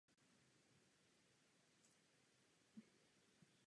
V době druhé světové války byla využívána jako loď pro přepravu vojska.